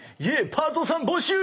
「パートさん募集！」。